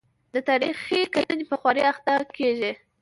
د تاریخي کتنې په خوارۍ اخته کېږي.